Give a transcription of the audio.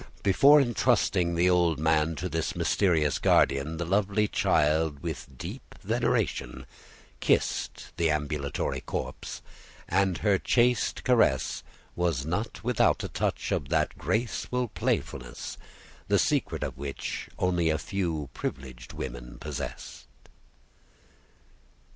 Before entrusting the old man to this mysterious guardian, the lovely child, with deep veneration, kissed the ambulatory corpse, and her chaste caress was not without a touch of that graceful playfulness, the secret of which only a few privileged women possess.